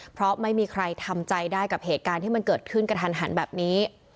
เพราะไม่มีใครทำใจได้กับเหตุการณ์ที่มันเกิดขึ้นกระทันหันแบบนี้